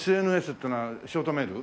ＳＮＳってのはショートメール？